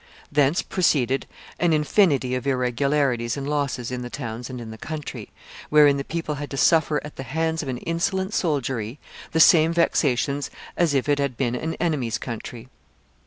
Thence proceeded an infinity of irregularities and losses in the towns and in the country, wherein the people had to suffer at the hands of an insolent soldiery the same vexatious as if it had been an enemy's country.